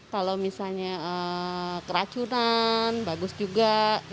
kalau misalnya keracunan bagus juga